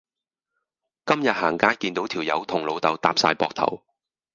今日行街見到條友同老豆搭哂膊頭